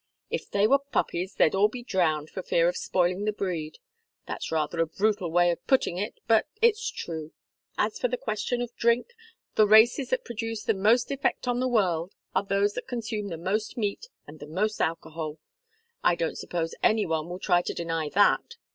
If they were puppies, they'd all be drowned, for fear of spoiling the breed. That's rather a brutal way of putting it, but it's true. As for the question of drink, the races that produce the most effect on the world are those that consume the most meat and the most alcohol. I don't suppose any one will try to deny that.